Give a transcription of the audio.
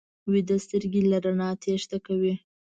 ویده سترګې له رڼا تېښته کوي